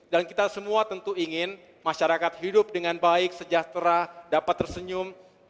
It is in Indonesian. dan kita semua tentu ingin masyarakat hidup dengan baik sejahtera dapat tersenyum